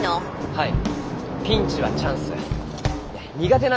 はい。